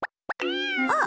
あっ！